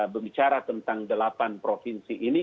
berbicara tentang delapan provinsi ini